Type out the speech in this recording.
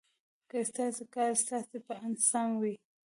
که ستاسې کار ستاسې په اند سم وي.